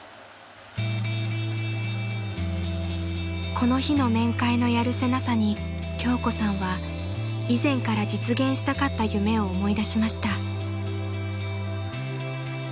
［この日の面会のやるせなさに京子さんは以前から実現したかった夢を思い出しました］